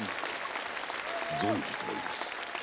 存じております。